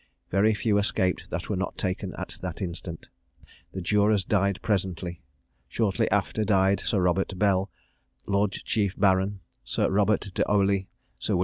Very few escaped that were not taken at that instant. The jurors died presently; shortly after died Sir Robert Bell, Lord Chief Baron, Sir Robert De Olie, Sir Wm.